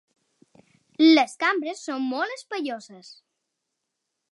Les cambres són molt espaioses.